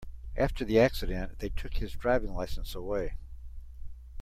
After the accident, they took his driving license away.